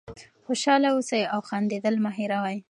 خوشحاله اوسئ او خندېدل مه هېروئ.